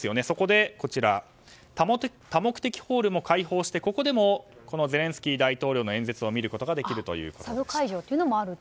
そこで多目的ホールも開放して、ここでもゼレンスキー大統領の演説を見ることができます。